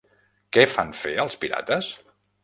Què fan fer els pirates?